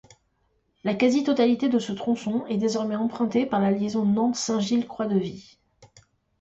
La quasi-totalité de ce tronçon est désormais empruntée par la liaison Nantes - Saint-Gilles-Croix-de-Vie.